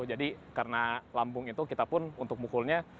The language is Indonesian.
jadi karena lambung itu kita pun untuk mukulnya